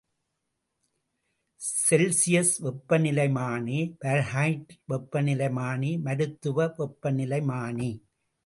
Celsius வெப்பநிலைமானி, Fahrenheit வெப்பநிலைமானி, மருத்துவ வெப்பநிலைமானி.